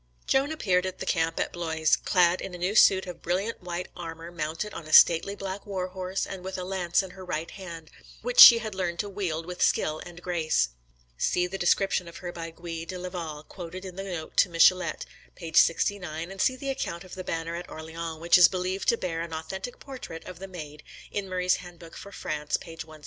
Joan appeared at the camp at Blois, clad in a new suit of brilliant white armour, mounted on a stately black war horse, and with a lance in her right hand, which she had learned to wield with skill and grace. [See the description of her by Gui de Laval, quoted in the note to Michelet, p. 69; and see the account of the banner at Orleans, which is believed to bear an authentic portrait of the Maid, in Murray's Handbook for France, p. 175.